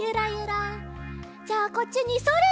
じゃあこっちにそれ！